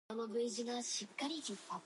This temple is connected with Ramayana.